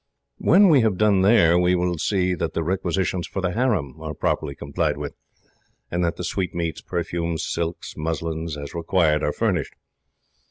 "When we have done there, we will see that the requisitions from the harem are properly complied with, and that the sweetmeats, perfumes, silks, and muslins, as required, are furnished.